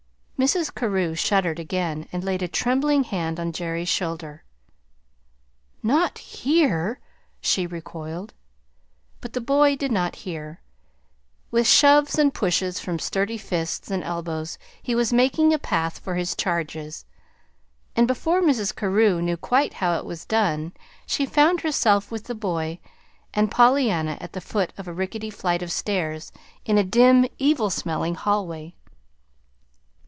Mrs. Carew shuddered again, and laid a trembling hand on Jerry's shoulder. "Not HERE!" she recoiled. But the boy did not hear. With shoves and pushes from sturdy fists and elbows, he was making a path for his charges; and before Mrs. Carew knew quite how it was done, she found herself with the boy and Pollyanna at the foot of a rickety flight of stairs in a dim, evil smelling hallway.